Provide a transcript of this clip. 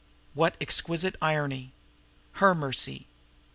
What exquisite irony! Her mercy!